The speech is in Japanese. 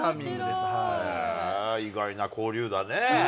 意外な交流だね。